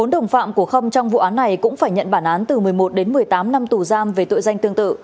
bốn đồng phạm của khâm trong vụ án này cũng phải nhận bản án từ một mươi một đến một mươi tám năm tù giam về tội danh tương tự